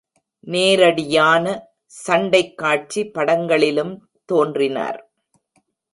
நேரடியான-சண்டைக்காட்சி படங்களிலும் தோன்றினார்.